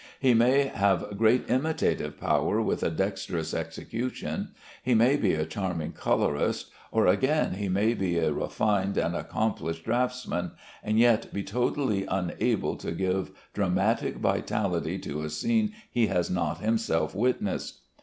He may have great imitative power with a dexterous execution; he may be a charming colorist, or, again, he may be a refined and accomplished draughtsman, and yet be totally unable to give dramatic vitality to a scene he has not himself witnessed.